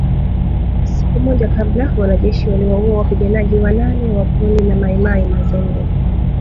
Siku moja kabla wanajeshi waliwaua wapiganaji wanane wa kundi la Mai Mai Mazembe